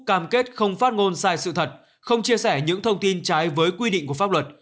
cam kết không phát ngôn sai sự thật không chia sẻ những thông tin trái với quy định của pháp luật